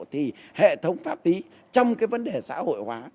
thì hệ thống pháp lý trong cái vấn đề xã hội hóa